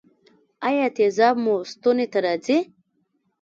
ایا تیزاب مو ستوني ته راځي؟